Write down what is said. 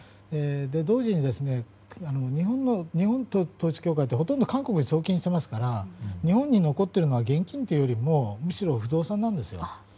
同時に日本の統一教会って、ほとんど韓国に送金していますから日本に残っているのは現金というよりもむしろ不動産なんですよ。